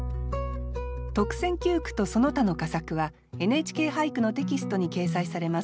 特選九句とその他の佳作は「ＮＨＫ俳句」のテキストに掲載されます。